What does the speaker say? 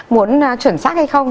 muốn chuẩn xác hay không